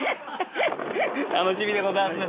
楽しみでございますね。